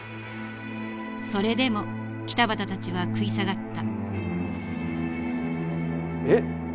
それでも北畑たちは食い下がった。